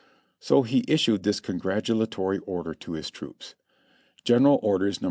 So he issued this congratulatory order to his troops : "Gen. Orders, No.